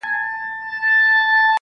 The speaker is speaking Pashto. گراني خبري سوې پرې نه پوهېږم.